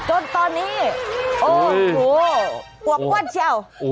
จนตอนนี้โอ้โฮ